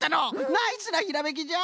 ナイスなひらめきじゃ！